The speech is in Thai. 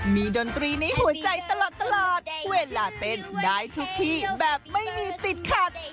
ดนตรีในหัวใจตลอดเวลาเต้นได้ทุกที่แบบไม่มีติดขัด